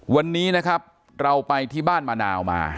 วันนี้นะครับเราไปที่บ้านมะนาวมา